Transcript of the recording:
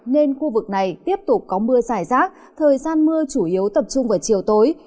nên khu vực này tiếp tục có mưa dài rác thời gian mưa chủ yếu tập trung vào chiều tối